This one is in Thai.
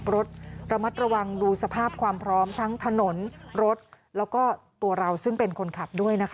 รถระมัดระวังดูสภาพความพร้อมทั้งถนนรถแล้วก็ตัวเราซึ่งเป็นคนขับด้วยนะคะ